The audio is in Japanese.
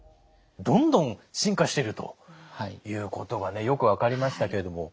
どんどん進化してるということがよく分かりましたけれども。